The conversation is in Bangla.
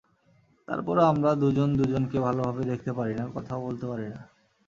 তারপরও আমরা দুজন দুজনকে ভালোভাবে দেখতে পারি না, কথাও বলতে পারি না।